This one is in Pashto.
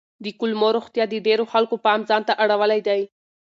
د کولمو روغتیا د ډېرو خلکو پام ځان ته اړولی دی.